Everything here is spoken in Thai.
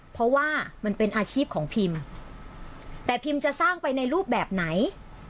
เพราะว่ามันเป็นอาชีพของพิมแต่พิมจะสร้างไปในรูปแบบไหน